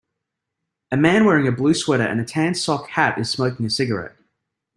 A man wearing a blue sweater and a tan sock hat is smoking a cigarette.